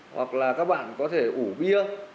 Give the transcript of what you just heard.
hoặc là các bạn có thể ủ bia